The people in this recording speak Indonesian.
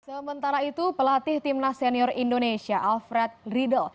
sementara itu pelatih timnas senior indonesia alfred riedel